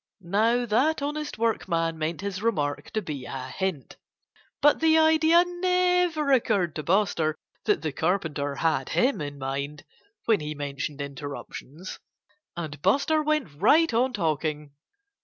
Now, that honest workman meant his remark to be a hint. But the idea never occurred to Buster that the Carpenter had him in mind, when he mentioned interruptions. And Buster went right on talking.